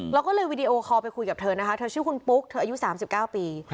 เราก็เลยวีดีโอคอลไปคุยกับเธอนะคะเธอชื่อคุณปุ๊กเธออายุ๓๙ปี